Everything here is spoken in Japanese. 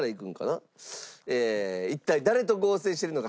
一体誰と合成しているのか？